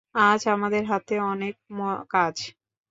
আজ আমাদের হাতে অনেক কাজ।